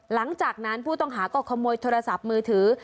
หลังจากนั้นผู้ต้องหาก็ขโมยโทรศัพท์มือถือ